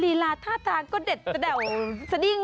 รีลาทาคทางก็เด็ดสด้าวสดิง